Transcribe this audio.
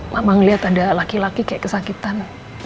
mama ngeliat ada laki laki kayak kesakitan